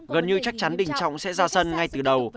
gần như chắc chắn đình trọng sẽ ra sân ngay từ đầu